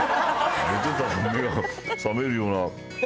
寝てたら目が覚めるような。